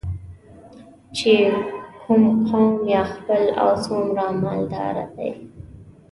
چې کوم قوم یا خیل او څومره مالداره دی.